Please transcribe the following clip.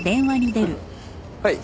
はい。